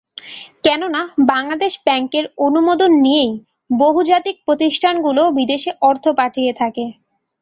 কেননা, বাংলাদেশ ব্যাংকের অনুমোদন নিয়েই বহুজাতিক প্রতিষ্ঠানগুলো বিদেশে অর্থ পাঠিয়ে থাকে।